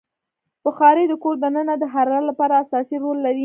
بخاري د کور دننه د حرارت لپاره اساسي رول لري.